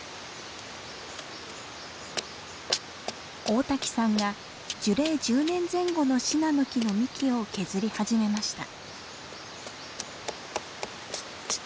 大滝さんが樹齢１０年前後のシナノキの幹を削り始めました。